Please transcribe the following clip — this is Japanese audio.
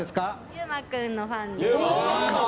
ゆうま君のファンです。